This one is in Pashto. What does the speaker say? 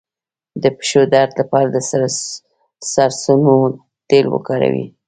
د پښو درد لپاره د سرسونو تېل وکاروئ